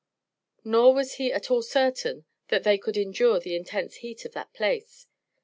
Nor was he at all certain that they could endure the intense heat of that place.